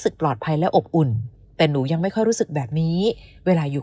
ปลอดภัยและอบอุ่นแต่หนูยังไม่ค่อยรู้สึกแบบนี้เวลาอยู่